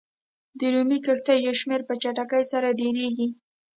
د رومي کښتیو شمېر په چټکۍ سره ډېرېږي.